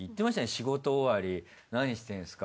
仕事終わり何してんすか？